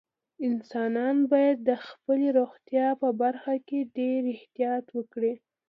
انسانان باید د خپلې روغتیا په برخه کې ډېر احتیاط وکړي.